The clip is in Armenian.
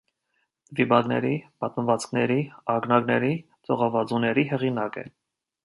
Վիպակների, պատմվածքների, ակնարկների ծողավածուների հեղինակ է։